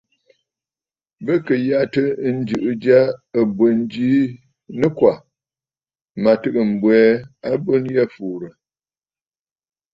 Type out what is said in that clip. Bɨ kɨ̀ yàtə̂ ǹjɨ̀ʼɨ̀ ja ɨ̀bwèn ji nɨkwà, mə̀ tɨgə̀ m̀bwɛɛ abwen yî fùùrə̀.